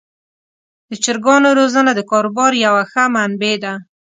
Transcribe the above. د چرګانو روزنه د کاروبار یوه ښه منبع ده.